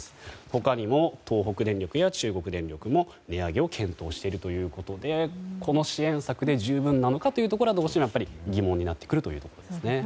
他にも東北電力や中国電力も値上げを検討しているということでこの支援策で十分なのかというところは、どうしても疑問になってくるというところです。